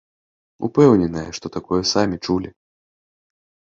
Упэўненая, што такое самі чулі.